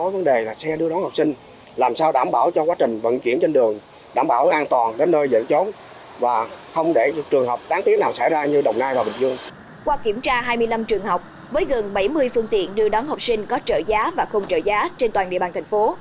qua kiểm tra hai mươi năm trường học với gần bảy mươi phương tiện đưa đón học sinh có trợ giá và không trợ giá trên toàn địa bàn thành phố